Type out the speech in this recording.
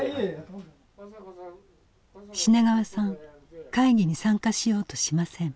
品川さん会議に参加しようとしません。